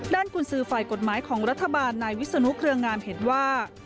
กุญสือฝ่ายกฎหมายของรัฐบาลนายวิศนุเครืองามเห็นว่า